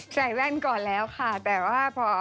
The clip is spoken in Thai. สายแว่นก่อนแล้วค่ะแต่พอเอาลงทวนไม่ต้องใส่แล้ว